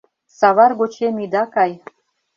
Савар гочем ида кай -